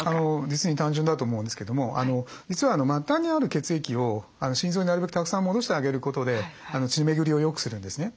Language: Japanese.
実に単純だと思うんですけども実は末端にある血液を心臓になるべくたくさん戻してあげることで血巡りをよくするんですね。